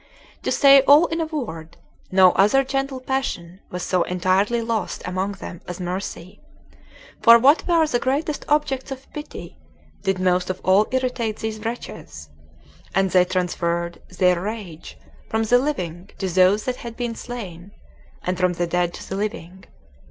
To say all in a word, no other gentle passion was so entirely lost among them as mercy; for what were the greatest objects of pity did most of all irritate these wretches, and they transferred their rage from the living to those that had been slain, and from the dead to the living.